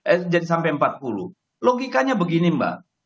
eh jadi sampai empat puluh logikanya begini mbak